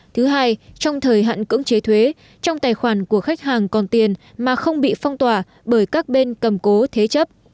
thứ hai trong thời hạn cưỡng chế thuế trong tài khoản của khách hàng còn tiền mà không bị phong tỏa bởi các bên cầm cố thế chấp